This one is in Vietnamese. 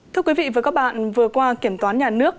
thưa quý vị và các bạn vừa qua kiểm toán nhà nước